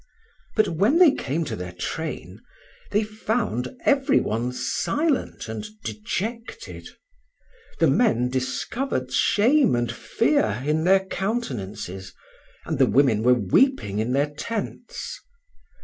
But when they came to their train, they found every one silent and dejected: the men discovered shame and fear in their countenances, and the women were weeping in their tents.